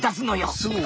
そう。